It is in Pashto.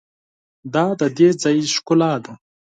دا د دې ځای ښکلا ده.